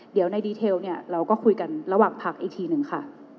เดี๋ยวในดีเทลเนี่ยเราก็คุยกันระหว่างพักอีกทีหนึ่งค่ะ